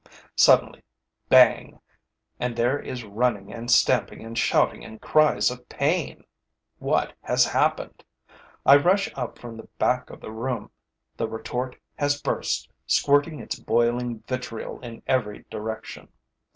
Suddenly, bang! And there is running and stamping and shouting and cries of pain! What has happened? I rush up from the back of the room. The retort has burst, squirting its boiling vitriol in every direction.